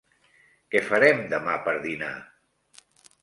Què farem demà per dinar?